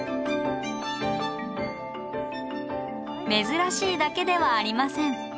珍しいだけではありません。